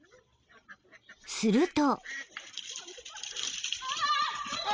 ［すると］